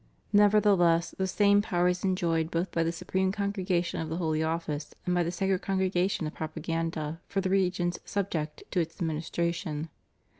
Nevertheless the same power is enjoyed both by the Supreme Congregation of the Holy Office, and by the Sacred Congregation of Propaganda for the regions sub ject to its administration.